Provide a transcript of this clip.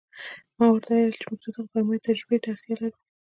ما ورته وویل چې موږ د بدمرغیو تجربې ته اړتیا لرو